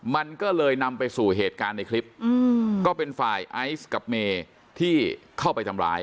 มันก็เลยนำไปสู่เหตุการณ์ในคลิปก็เป็นฝ่ายไอซ์กับเมย์ที่เข้าไปทำร้าย